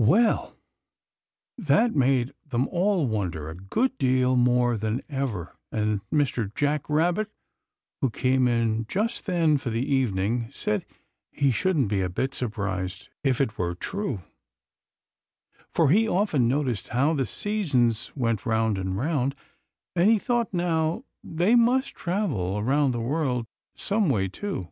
Well, that made them all wonder a good deal more than ever; and Mr. Jack Rabbit, who came in just then for the evening, said he shouldn't be a bit surprised if it were true, for he'd often noticed how the seasons went round and round, and he thought, now, they must travel around the world some way, too.